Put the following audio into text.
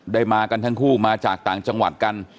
มากันทั้งคู่มาจากต่างจังหวัดกัน